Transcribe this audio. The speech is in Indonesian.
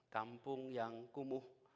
kampung yang kumuh